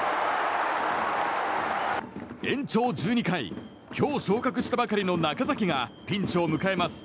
延長１２回今日昇格したばかりの中崎がピンチを迎えます。